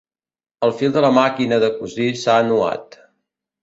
El fil de la màquina de cosir s'ha nuat.